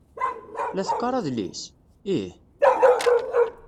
La teqqar adlis? Ih.